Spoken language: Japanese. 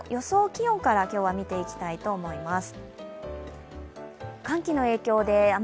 気温から今日は見ていきたいと思います。